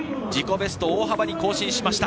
ベスト大幅に更新しました。